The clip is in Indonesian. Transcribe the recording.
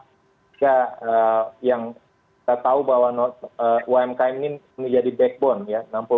sehingga yang kita tahu bahwa umkm ini menjadi backbone ya